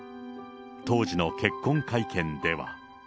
当時の結婚会見では。